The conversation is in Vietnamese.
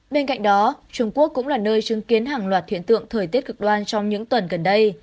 bên cạnh đó trung quốc cũng là nơi chứng kiến hàng loạt hiện tượng thời tiết cực đoan trong những tuần gần đây